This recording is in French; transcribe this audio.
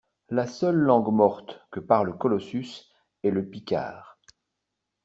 La seule langue morte que parle Colossus est le picard